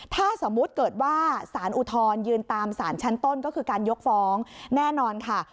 ถ้าสมมุติเกิดว่าสารอุทธรณยืนตามสารชั้นต้นก็คือการยกฟ้องแน่นอนค่ะ